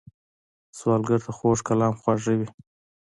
سوالګر ته خوږ کلام خواږه وي